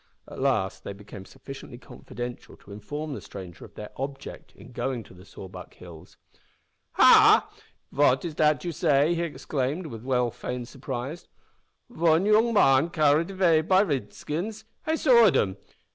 At last they became sufficiently confidential to inform the stranger of their object in going to the Sawback Hills. "Ha! Vat is dat you say?" he exclaimed, with well feigned surprise; "von yoong man carried avay by Ridskins. I saw'd dem!